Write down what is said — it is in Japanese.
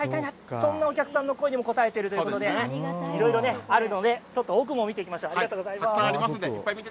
そんなお客さんの声に応えているということでいろいろあるのでちょっと奥も見ていきましょう。